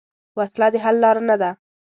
وسله د حل لار نه ده